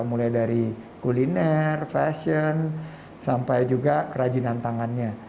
mulai dari kuliner fashion sampai juga kerajinan tangannya